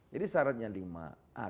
jadi syaratnya lima